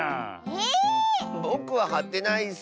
えっ⁉ぼくははってないッス。